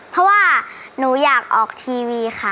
เพราะว่าหนูอยากออกทีวีค่ะ